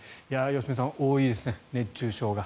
良純さん多いですね、熱中症が。